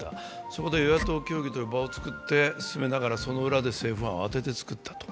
そこで与野党協議の場を作って進めながら、その裏で政府案を慌てて作ったと。